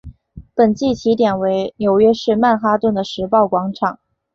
本季起点为纽约市曼哈顿的时报广场。